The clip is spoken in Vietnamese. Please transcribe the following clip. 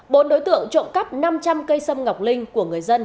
bốn đối tượng trộm cắp năm trăm linh cây sâm ngọc linh của người dân